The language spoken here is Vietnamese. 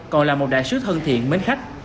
còn là một đại sứ thân thiện mến khách